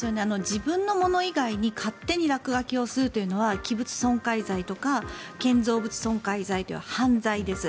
自分のもの以外に勝手に落書きをするというのは器物損壊罪とか建造物損壊罪という犯罪です。